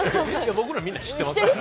僕らみんな知ってますから。